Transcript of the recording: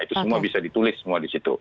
itu semua bisa ditulis semua di situ